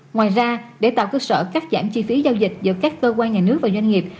ngoài ra để tạo cơ sở cắt giảm chi phí giao dịch giữa các cơ quan nhà nước và doanh nghiệp